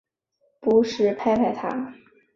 不时拍拍她